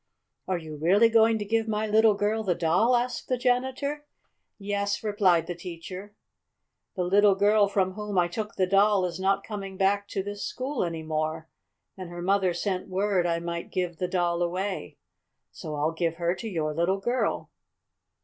"Are you really going to give my little girl the doll?" asked the janitor. "Yes," replied the teacher. "The little girl from whom I took the doll is not coming back to this school any more, and her mother sent word I might give the doll away. So I'll give her to your little girl."